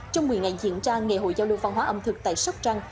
trong một mươi ngày diễn ra ngày hội giao lưu văn hóa ẩm thực tại sóc trăng